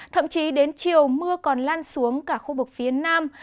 thậm chí đến chiều mưa còn lan xuống cả khu vực phía nam